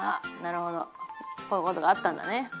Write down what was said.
なるほどこういうことがあったんだね